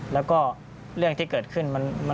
แล้วก็เรื่องที่เกิดขึ้น